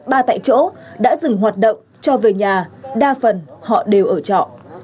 ba tại chỗ đã dừng hoạt động cho về nhà đa phần họ đều ở trọ